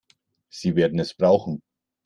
Sie werden es brauchen.